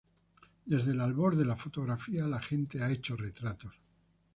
Desde el albor de la fotografía la gente ha hecho retratos.